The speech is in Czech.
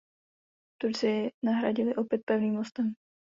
Turci ji nahradili opět pevným mostem.